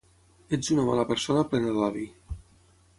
Ets una mala persona plena d’odi.